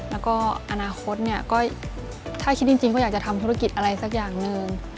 แล้วก็อนาคตเนี่ยก็ถ้าคิดจริงก็อยากจะทำธุรกิจอะไรสักอย่างหนึ่ง